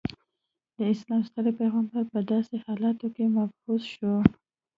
د اسلام ستر پیغمبر په داسې حالاتو کې مبعوث شو.